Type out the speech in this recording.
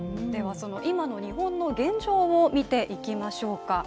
今の日本の現状を見ていきましょうか。